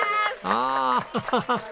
ああハハハ！